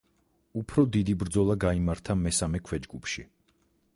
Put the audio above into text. უფრო დიდი ბრძოლა გაიმართა მესამე ქვეჯგუფში.